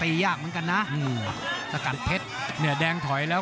เอ้าเขาส้มส่าว